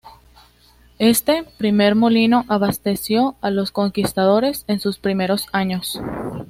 Este primer molino abasteció a los conquistadores en sus primeros años.